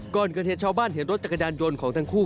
ก่อนเกิดเหตุชาวบ้านเห็นรถจักรยานยนต์ของทั้งคู่